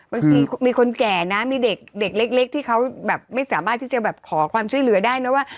มีคนแก่นะมีเด็กเล็กที่เขาแบบไม่สามารถที่จะแบบขอความช่วยเหลือได้นะว่า